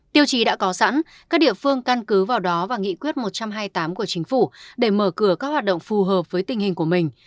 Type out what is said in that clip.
tiêu chí đã có sẵn các địa phương căn cứ vào đó và nghị quyết một trăm hai mươi tám của chính phủ để mở cửa các hoạt động phù hợp với tình hình của mình